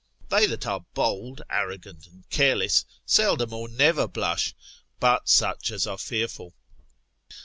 They that are bold, arrogant, and careless, seldom or never blush, but such as are fearful.